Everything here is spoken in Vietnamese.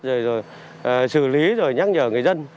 rồi xử lý rồi nhắc nhở người dân